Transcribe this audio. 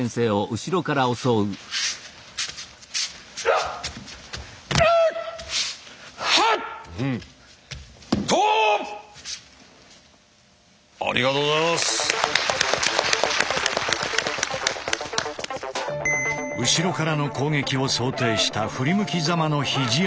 後ろからの攻撃を想定した振り向きざまの肘当て。